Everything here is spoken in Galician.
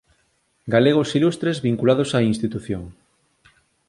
Galegos ilustres vinculados á institución